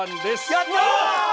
やったー！